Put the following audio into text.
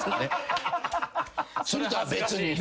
それとは別に。